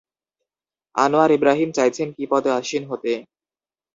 Anwar Ibrahim চাইছেন কি পদে আসীন হতে?